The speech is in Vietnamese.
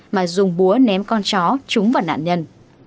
mà dùng búa ném con chó trúng vào nạn nhân